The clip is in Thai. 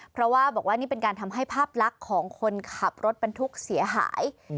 เพราะว่าบอกว่านี่เป็นการทำให้ภาพลักษณ์ของคนขับรถบรรทุกเสียหาย